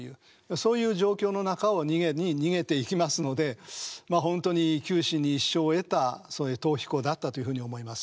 そういう状況の中を逃げに逃げていきますのでまあ本当に九死に一生を得たそういう逃避行だったというふうに思います。